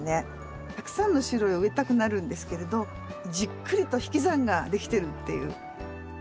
たくさんの種類を植えたくなるんですけれどじっくりと引き算ができてるっていう。